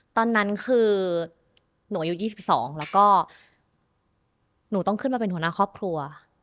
ตอนนั้นคือหนูอายุ๒๒แล้วก็หนูต้องขึ้นมาเป็นหัวหน้าครอบครัว